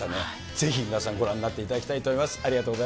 ぜひ皆さん、ご覧になっていただきたいと思います。